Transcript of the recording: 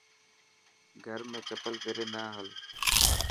گھر ۾ چپل پيري نا هل.